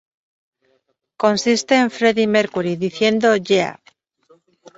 Consiste en Freddie Mercury diciendo "Yeah".